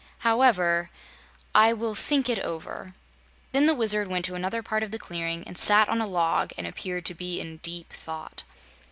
However, I will think it over." Then the Wizard went to another part of the clearing and sat on a log and appeared to be in deep thought.